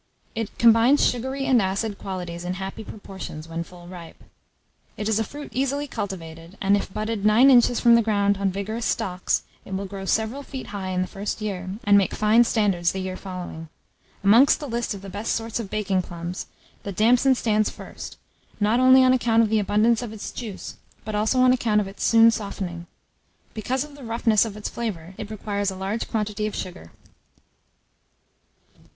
It combines sugary and acid qualities in happy proportions, when full ripe. It is a fruit easily cultivated; and, if budded nine inches from the ground on vigorous stocks, it will grow several feet high in the first year, and make fine standards the year following. Amongst the list of the best sorts of baking plums, the damson stands first, not only on account of the abundance of its juice, but also on account of its soon softening. Because of the roughness of its flavour, it requires a large quantity of sugar.